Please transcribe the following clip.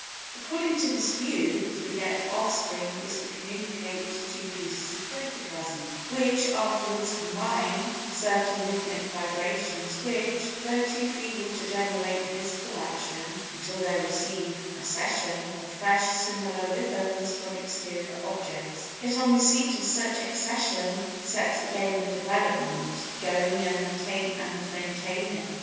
According to this view to beget offspring is to communicate to two pieces of protoplasm (which afterwards combine) certain rhythmic vibrations which, though too feeble to generate visible action until they receive accession of fresh similar rhythms from exterior objects, yet on receipt of such accession set the game of development going and maintain it.